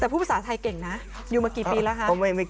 แต่ผู้ประสาทไทยเก่งนะอยู่มากี่ปีแล้วฮะ